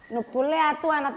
kepada masyarakat dari produits